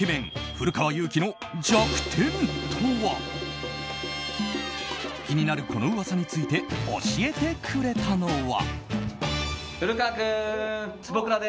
古川雄輝に弱点とは気になるこの噂について教えてくれたのは。